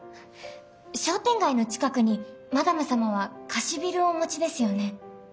商店街の近くにマダム様は貸しビルをお持ちですよね？